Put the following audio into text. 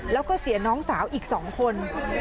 แล้วก็เสียน้องสาวอีก๒คน